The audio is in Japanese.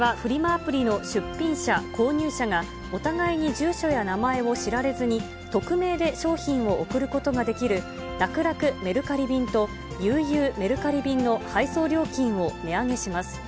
アプリの出品者、購入者が、お互いに住所や名前を知られずに、匿名で商品を送ることができる、らくらくメルカリ便と、ゆうゆうメルカリ便の配送料金を値上げします。